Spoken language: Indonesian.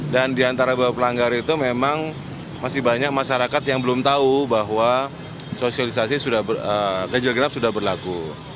dan diantara pelanggar itu memang masih banyak masyarakat yang belum tahu bahwa ganjil genap sudah berlaku